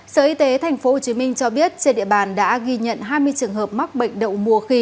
sở y tế tp hcm cho biết trên địa bàn đã ghi nhận hai mươi trường hợp mắc bệnh đậu mùa khỉ